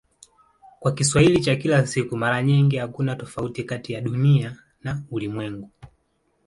Kwa Kiswahili cha kila siku mara nyingi hakuna tofauti kati ya "Dunia" na "ulimwengu".